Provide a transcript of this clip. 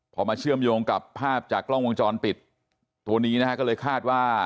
พอมาเชื่อมโยงกับภาพจากกล้องวงจรปิดตัวนี้นะฮะก็เลยคาดว่า